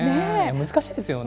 難しいですよね。